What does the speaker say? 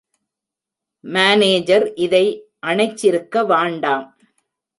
Manager இதை அணைச்சிருக்க வாண்டாம்.